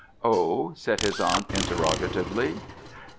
"Oh?" said his aunt interrogatively.